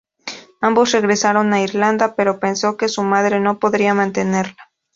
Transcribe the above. Ambos regresaron a Irlanda, pero pensó que su madre no podría mantenerla.